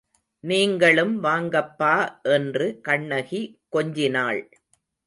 நீங்களும் வாங்கப்பா என்று கண்ணகி கொஞ்சினாள்.